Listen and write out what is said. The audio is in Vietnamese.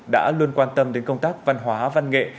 đã luôn quan tâm đến công tác văn hóa văn nghệ